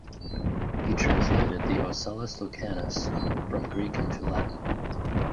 He translated the "Ocellus Lucanus" from Greek into Latin.